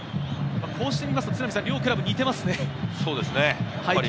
こうして見ますと両クラブ、似てますね。